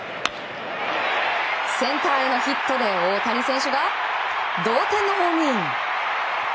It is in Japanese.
センターへのヒットで大谷選手が同点のホームイン。